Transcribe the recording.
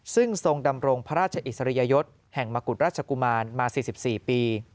ซึ่งทรงดำรงพระราชอิสริยยศแห่งมกุฎราชกุมารมา๔๔ปี